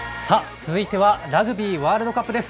続いてはラグビーワールドカップです。